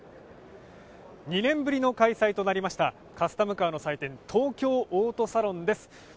２年ぶりの開催となりましたカスタムカーの祭典・東京オートサロンです。